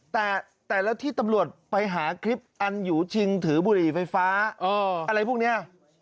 แต่แต่ละที่ตำรวจไปหาคลิปอันอยู่ชิงถือบุหรี่ไฟฟ้าอะไรพวกนี้